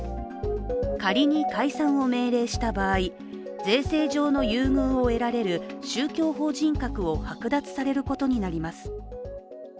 仮に解散を命令した場合税制上の優遇を得られる宗教法人格を剥奪されることになります。